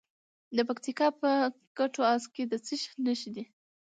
د پکتیکا په کټواز کې د څه شي نښې دي؟